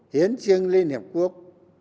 hiến chứng liên hiệp quốc